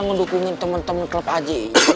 ngedukungin temen temen klub aja itu